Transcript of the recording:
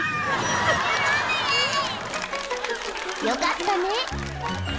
［よかったね］